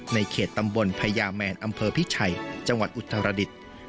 ในเขตตำบลพญาแมนอำเภอพิชัยจังหวัดอุตรดิษฐ์